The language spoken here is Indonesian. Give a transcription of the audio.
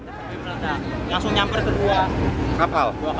langsung nyamper kedua kapal